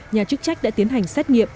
nhà chức trách đã tiến hành xét nghiệm